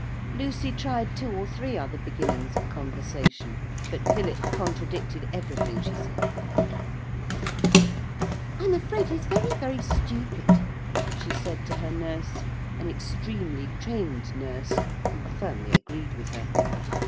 Lucy tried two or three other beginnings of conversation, but Philip contradicted everything she said. 'I'm afraid he's very very stupid,' she said to her nurse, an extremely trained nurse, who firmly agreed with her.